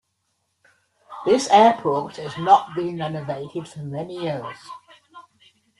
This airport has not been renovated for many years.